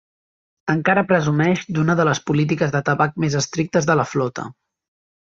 Encara presumeix d'una de les polítiques de tabac més estrictes de la flota.